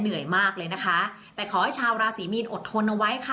ส่งผลทำให้ดวงชะตาของชาวราศีมีนดีแบบสุดเลยนะคะ